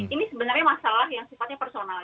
ini sebenarnya masalah yang sifatnya personal